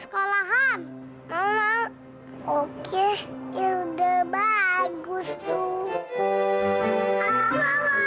sekolahan oke udah bagus tuh